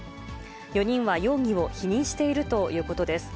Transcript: ４人は容疑を否認しているということです。